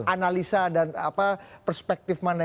analisa dan perspektif mana